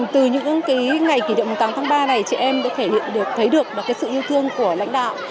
từ những ngày kỷ niệm tám tháng ba này chị em đã thể hiện được thấy được sự yêu thương của lãnh đạo